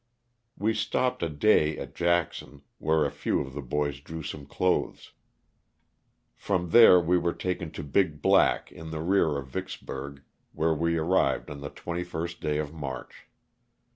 We stopped a day at Jackson, where a few of the boys drew some clothes. From there we 19 140 LOSS OK TIIK SUITANA. were taken to Big Black, in the rear of Vicksburg, where wo arrived on the ^Ist day of March.